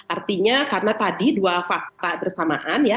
artinya karena tadi dua fakta bersamaan ya